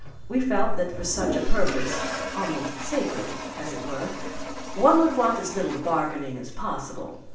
We felt that for such a purpose, almost sacred as it were, one would want as little bargaining as possible."